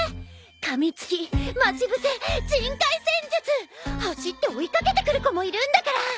かみつき待ち伏せ人海戦術走って追い掛けてくる子もいるんだから！